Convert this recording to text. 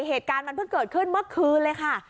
เหตุการณ์มันเพิ่งเกิดขึ้นเมื่อคืนเลยค่ะ